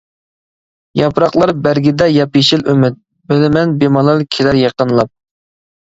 ياپراقلار بەرگىدە ياپيېشىل ئۈمىد، بىلىمەن، بىمالال كېلەر يېقىنلاپ.